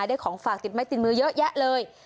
ได้ของฝากติดไม้ติดมือเยอะแยะเลย